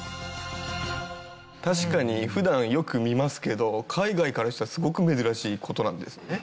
確かに普段よく見ますけど海外からしたらすごく珍しい事なんですね。